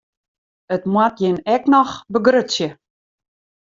It moat jin ek noch begrutsje.